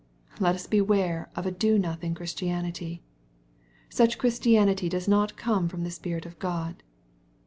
Let us beware of a do not _ Christianity. Such Christianity does not come irom the Spirit of God.